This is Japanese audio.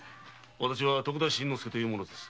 私は徳田新之助という者です。